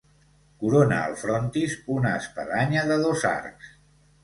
Corona el frontis una espadanya de dos arcs.